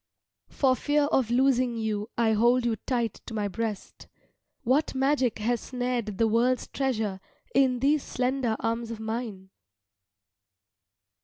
For fear of losing you I hold you tight to my breast. What magic has snared the world's treasure in these slender arms of mine?"